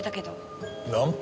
ナンパ？